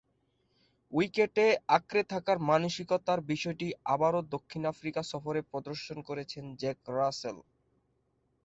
উইকেটে আঁকড়ে থাকার মানসিকতার বিষয়টি আবারও দক্ষিণ আফ্রিকা সফরে প্রদর্শন করেছেন জ্যাক রাসেল।